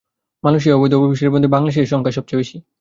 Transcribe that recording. মালয়েশিয়ায় অবৈধ অভিবাসীদের মধ্যে বাংলাদেশিদের সংখ্যাই বেশি।